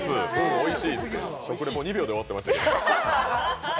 おいしいって、食レポ２秒で終わってましたけど。